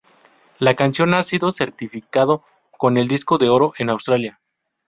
La canción ha sido certificado con el disco de oro en Australia.